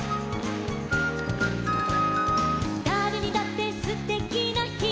「だれにだってすてきなひ」